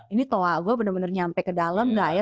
ini toa gue benar benar nyampe ke dalam nggak ya